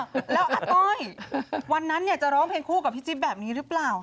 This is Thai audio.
แล้วอาต้อยวันนั้นจะร้องเพลงคู่กับพี่จิ๊บแบบนี้หรือเปล่า